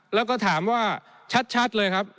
แล้วก็ถามว่าชัดเลยครับ